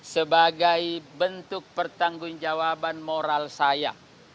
sebagai bentuk pertanggung jawaban moral saya